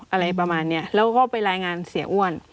อะไรประมาณนี้แล้วก็ไปรายงานเสียอ้วน